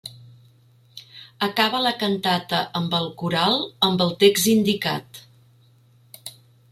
Acaba la cantata amb el coral amb el text indicat.